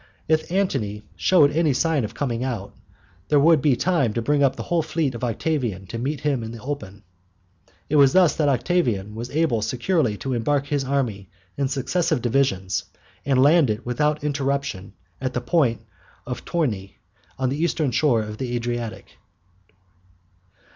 If Antony showed any sign of coming out, there would be time to bring up the whole fleet of Octavian to meet him in the open. It was thus that Octavian was able securely to embark his army in successive divisions, and land it without interruption at the port of Toryne on the eastern coast of the Adriatic.